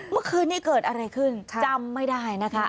เมื่อคืนนี้เกิดอะไรขึ้นจำไม่ได้นะคะ